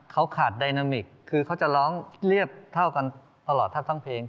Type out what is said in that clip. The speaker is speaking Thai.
เขาขาดไดนามิกคือเขาจะร้องเรียบเท่ากันตลอดแทบทั้งเพลง